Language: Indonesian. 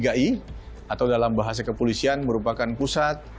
atau dalam bahasa kepolisian merupakan pusat